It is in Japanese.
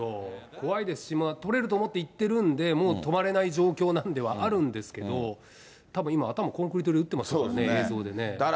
怖いですし、捕れると思って行ってるんで、もう止まれない状況なんではあるんですけど、たぶん今、頭コンクリで打ってますからね、映像でね。